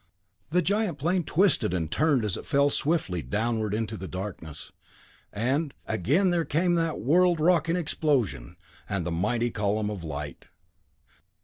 The giant plane twisted and turned as it fell swiftly downward into the darkness and, again there came that world rocking explosion, and the mighty column of light.